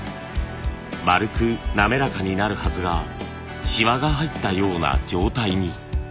丸く滑らかになるはずがシワが入ったような状態に。